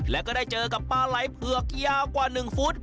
และก็ได้เจอกับปลาไหล่เผือกยาวกว่า๑ฟุต